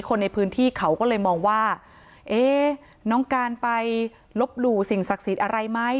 คนในพื้นที่เขาก็เลยมองว่าเอ๊ะน้องการไปลบหลู่สิ่งศักดิ์สิทธิ์อะไรไหม